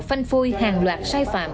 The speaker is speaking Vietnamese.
phanh phôi hàng loạt sai phạm